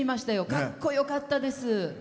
かっこよかったです。